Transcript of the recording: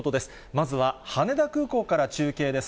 まずは羽田空港から中継です。